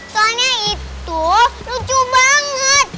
soalnya itu lucu banget